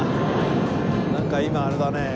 なんか今あれだね